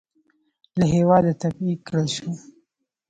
له هېواده تبعید کړل شو.